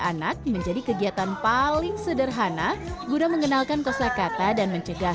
anak menjadi kegiatan paling sederhana guna mengenalkan kosa kata dan mencegah